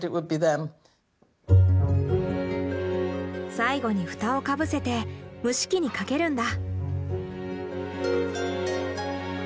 最後に蓋をかぶせて蒸し器にかけるんだ。